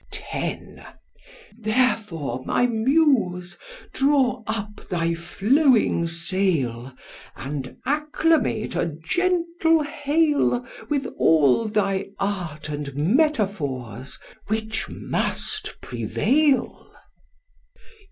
X. Therefore, my Muse, draw up thy flowing sail, And acclamate a gentle hail With all thy art and metaphors, which must prevail.